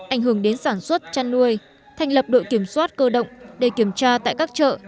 ảnh hưởng đến sản xuất chăn nuôi thành lập đội kiểm soát cơ động để kiểm tra tại các chợ